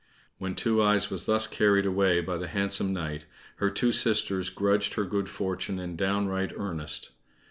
When Two eyes was thus carried away by the handsome knight, her two sisters grudged her good fortune in downright earnest.